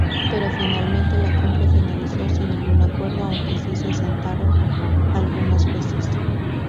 Pero finalmente la cumbre finalizó sin ningún acuerdo, aunque sí se sentaron algunas bases.